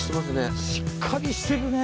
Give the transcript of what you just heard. しっかりしてるね